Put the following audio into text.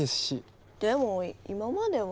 でも今までは。